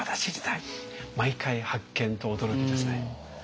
毎回発見と驚きですね。